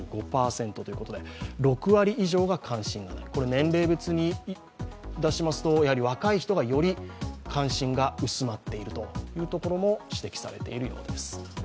年齢別に出しますと若い人がより関心が薄まっているというところも指摘されているようです。